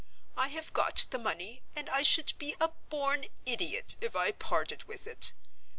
I have got the money, and I should be a born idiot if I parted with it.